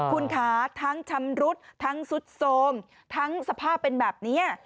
คุณคะทั้งชำรุดทั้งซุดโทรมทั้งสภาพเป็นแบบนี้